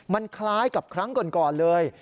มันคล้ายกับครั้งก่อนเลย